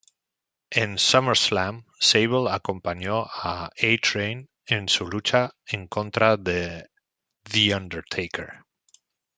En SummerSlam, Sable acompañó a A-Train en su lucha en contra de The Undertaker.